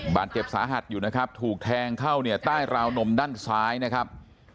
บาดเจ็บสาหัสอยู่นะครับถูกแทงเข้าเนี่ยใต้ราวนมด้านซ้ายนะครับ